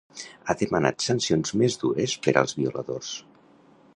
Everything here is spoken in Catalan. Ha demanat sancions més dures per als violadors.